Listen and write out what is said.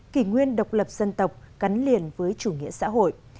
kỷ nguyên độc lập dân tộc gắn liền với chủ nghĩa xã hội